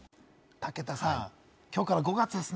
武田さん、今日から５月です